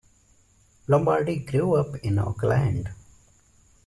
Lombardi grew up in Oakland.